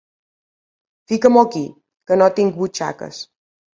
Fica-m'ho aquí, que no tinc butxaques!